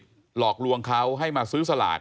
เขาเข้าใจผิดหลอกลวงเขาให้มาซื้อสลาก